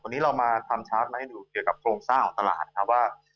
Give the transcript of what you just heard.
วันนี้เรามาทำชาร์จมาให้ดูเกี่ยวกับโครงสร้างของตลาดครับว่า